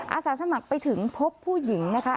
อาสาสมัครไปถึงพบผู้หญิงนะคะ